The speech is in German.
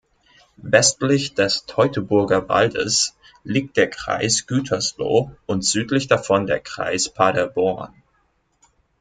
Westlich des Teutoburger Waldes liegt der Kreis Gütersloh und südlich davon der Kreis Paderborn.